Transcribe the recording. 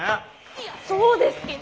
いやそうですけど。